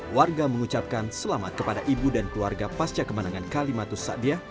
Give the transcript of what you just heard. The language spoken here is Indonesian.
warga mengucapkan selamat kepada ibu dan keluarga pasca kemenangan kalimatus sadiyah